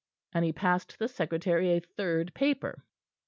And he passed the secretary a third paper.